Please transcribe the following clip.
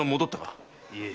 いえ。